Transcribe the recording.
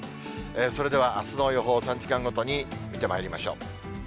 それでは、あすの予報、３時間ごとに見てまいりましょう。